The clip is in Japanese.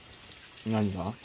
何が？